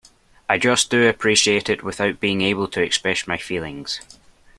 I just do appreciate it without being able to express my feelings.